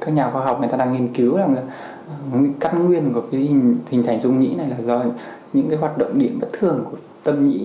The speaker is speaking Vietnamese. các nhà khoa học người ta đang nghiên cứu là cắt nguyên của hình thành dung nghĩ này là do những hoạt động điểm bất thường của tâm nghĩ